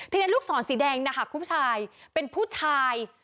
ทีนี้ลูกศรสีแดงนะคะผู้ชายเป็นผู้ชาย